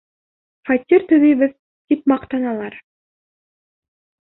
Фатир төҙөйбөҙ тип маҡтаналар.